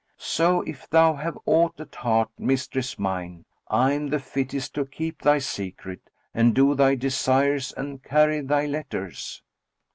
So if thou have aught at heart, mistress mine, I am the fittest to keep thy secret and do thy desires and carry thy letters."